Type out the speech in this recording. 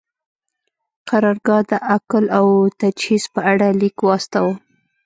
قرارګاه د اکل او تجهیز په اړه لیک واستاوه.